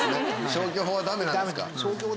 消去法はダメなんですか。